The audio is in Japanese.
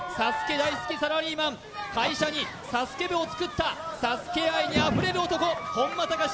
大好きサラリーマン会社にサスケ部を作ったＳＡＳＵＫＥ愛にあふれる男本間隆史